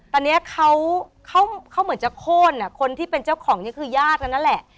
ตอนนี้เขาเหมือนจะโค้นคนที่เป็นเจ้าของนี่คือญาติกันนั่นแหละ